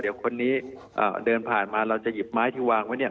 เดี๋ยวคนนี้เดินผ่านมาเราจะหยิบไม้ที่วางไว้เนี่ย